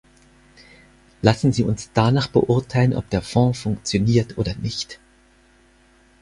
Lassen Sie uns danach beurteilen, ob der Fonds funktioniert oder nicht.